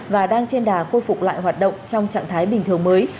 và đang trên đà khôi phục lại hoạt động trong trạng thái bình thường mới